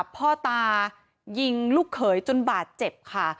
พ่อตายิงลูกเขยจนบาดเจ็บค่ะ